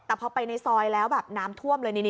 แต่พอไปในซอยแล้วแบบน้ำท่วมเลย